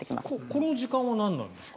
この時間はなんなんですか？